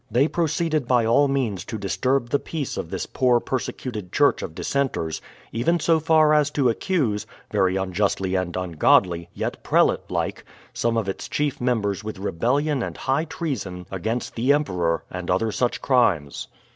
They pro ceeded by all means to disturb the peace of this poor perse cuted church of dissenters, even so far as to accuse (very unjustly and ungodly, yet prelate like) some of its chief members with rebellion and high treason against the Em peror, and other such crimes.